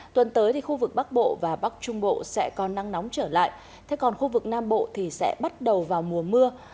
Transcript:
tuần tới thì khu vực bắc bộ và bắc trung bộ sẽ có nắng nóng trở lại thế còn khu vực nam bộ thì sẽ bắt đầu vào mùa mưa